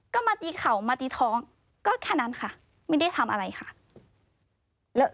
ก็มาตีเข่ามาตีท้องก็แค่นั้นค่ะไม่ได้ทำอะไรค่ะ